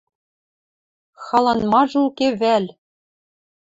Халан мажы уке вӓл?